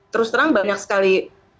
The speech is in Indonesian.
terus terang banyak sekali